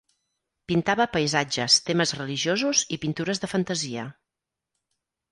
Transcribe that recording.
Pintava paisatges, temes religiosos i pintures de fantasia.